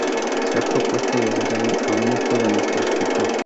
Se ha propuesto de ver ahí a un hijo de nuestro escultor.